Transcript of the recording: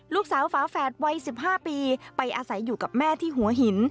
ฝาแฝดวัย๑๕ปีไปอาศัยอยู่กับแม่ที่หัวหิน